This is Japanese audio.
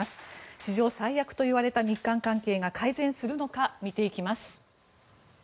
史上最悪と言われた日韓関係が改善するのか見ていきます。